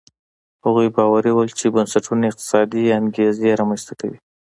هغوی باوري وو چې بنسټونه اقتصادي انګېزې رامنځته کوي.